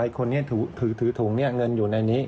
ไอ้คนนี้ถือถุงเงินอยู่ในนี้